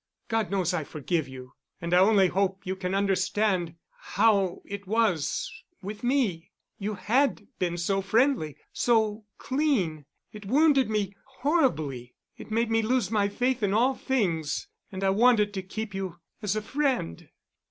God knows I forgive you, and I only hope you can understand—how it was—with me. You had been so friendly—so clean. It wounded me—horribly. It made me lose my faith in all things, and I wanted to keep you—as a friend."